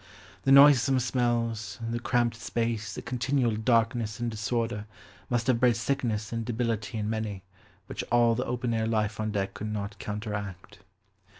The noisome smells, the cramped space, the continual darkness and disorder, must have bred sickness and debility in many, which all the open air life on deck could not counteract.